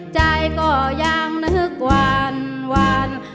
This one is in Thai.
ใจก็ยังนึกวาน